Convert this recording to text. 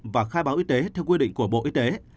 và khai báo y tế theo quy định của bộ y tế